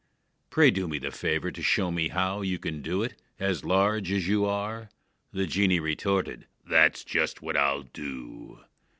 Pray do me the favor to show me how you Can do it, as large as you are." The genie retorted: "That's just what I'll do!"